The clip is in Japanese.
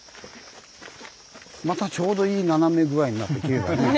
またちょうどいい斜め具合になってきれいだね。